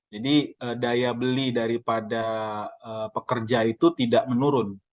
jadi daya beli daripada pekerja itu tidak menurun